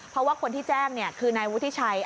เพราะว่าคนที่แจ้งคือนายวุฒิชัย